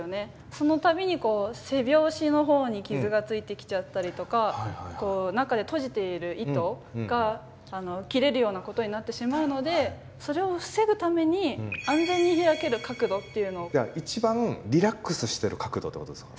その度に背表紙のほうに傷がついてきちゃったりとか中でとじている糸が切れるようなことになってしまうのでそれを防ぐために一番リラックスしてる角度ってことですか？